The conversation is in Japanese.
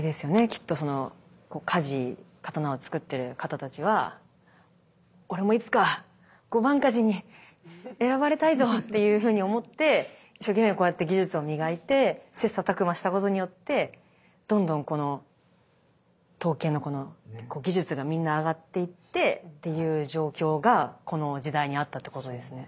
きっとその鍛冶刀をつくってる方たちは「俺もいつか御番鍛冶に選ばれたいぞ！」っていうふうに思って一生懸命こうやって技術を磨いてせっさたくましたことによってどんどんこの刀剣のこの技術がみんな上がっていってっていう状況がこの時代にあったということですね。